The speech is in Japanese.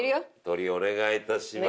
トリお願い致します。